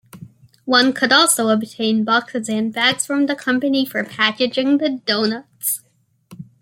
One could also obtain boxes and bags from the company for packaging the doughnuts.